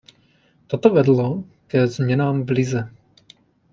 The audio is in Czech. Toto vedlo ke změnám v lize.